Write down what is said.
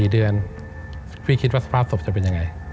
๔เดือนพี่คิดว่าสภาพศพจะเป็นยังไง